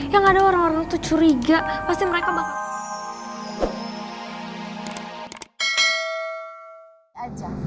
yang ada orang orang itu curiga pasti mereka bakal